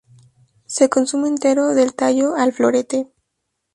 Se consume entero, del tallo al florete.